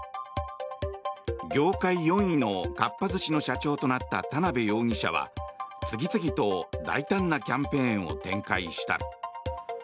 業界４位のかっぱ寿司の社長となった田邊容疑者は次々と大胆なキャンペーンを展開した。